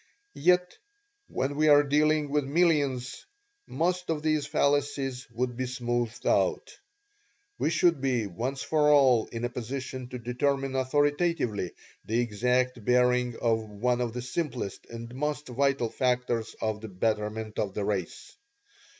Yet when we are dealing with millions most of these fallacies would be smoothed out. We should be, once for all, in a position to determine authoritatively the exact bearing of one of the simplest and most vital factors of the betterment of the race.